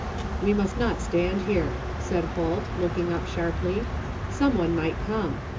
" We must not stand here," said Holt, looking up sharply, " some one might come.